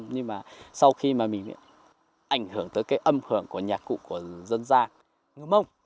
nhưng mà sau khi mà mình ảnh hưởng tới cái âm hưởng của nhạc cụ của dân gian mông